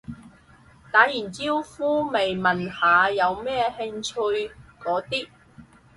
打完招呼咪問下有咩興趣嗰啲